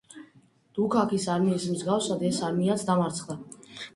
დუქაქის არმიის მსგავსად ეს არმიაც დამარცხდა.